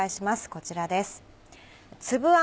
こちらです。